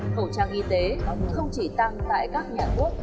khẩu trang y tế không chỉ tăng tại các nhà thuốc